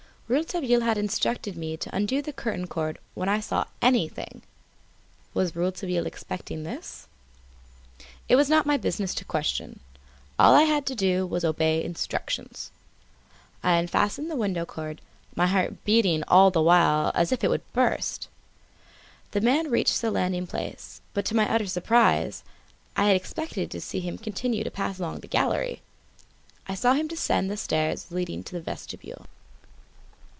Rouletabille had instructed me to undo the curtain cord when I saw anything. Was Rouletabille expecting this? It was not my business to question. All I had to do was obey instructions. I unfastened the window cord; my heart beating the while as if it would burst. The man reached the landing place, but, to my utter surprise I had expected to see him continue to pass along the gallery I saw him descend the stairs leading to the vestibule.